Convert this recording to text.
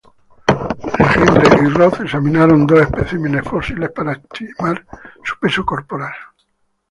Legendre y Roth examinaron dos especímenes fósiles para estimar su peso corporal.